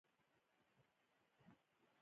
دا دواړه د انسان فطري توازن جوړوي.